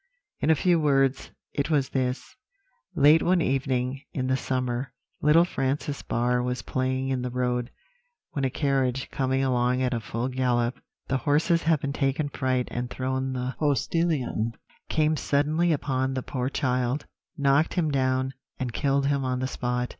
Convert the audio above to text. In a few words it was this: Late one evening, in the summer, little Francis Barr was playing in the road, when a carriage, coming along at a full gallop, the horses having taken fright and thrown the postillion, came suddenly upon the poor child, knocked him down, and killed him on the spot.